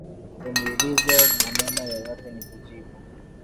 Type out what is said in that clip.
Uniulize maneno yeyote nikujibu